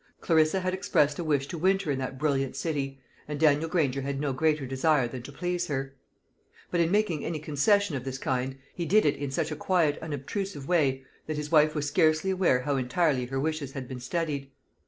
Clarissa had expressed a wish to winter in that brilliant city, and Daniel Granger had no greater desire than to please her. But, in making any concession of this kind, he did it in such a quiet unobtrusive way, that his wife was scarcely aware how entirely her wishes had been studied.